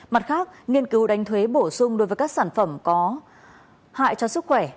mặt khác nghiên cứu đánh thuế bổ sung đối với các sản phẩm có hại cho sức khỏe